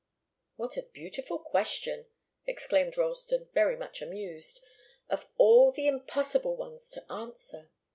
"What a beautiful question!" exclaimed Ralston, very much amused. "Of all the impossible ones to answer!"